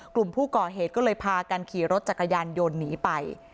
กลุ่มผู้ก่อเหตุก็เลยพากันขี่รถจักรยานยนต์หนีไป